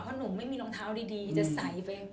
เพราะหนูไม่มีรองเท้าดีจะใส่ไป